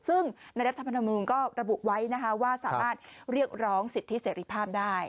ซึ่งในรัฐธรรมนุนก็ระบุไว้นะคะว่าสามารถเรียกร้องสิทธิเสรีภาพได้